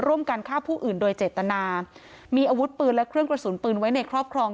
ร่วมกันฆ่าผู้อื่นโดยเจตนามีอาวุธปืนและเครื่องกระสุนปืนไว้ในครอบครอง